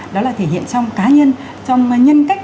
đó là thể hiện trong cá nhân trong nhân cách